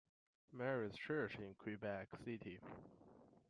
Marie's Church in Quebec City.